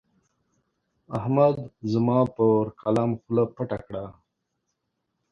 احمد زما پر قلم خوله پټه کړه.